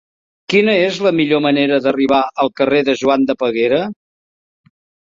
Quina és la millor manera d'arribar al carrer de Joan de Peguera?